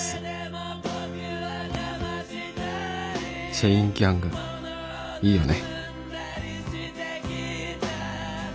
「チェインギャングいいよね」。